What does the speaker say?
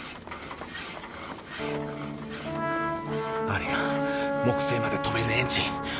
あれが木星まで飛べるエンジン。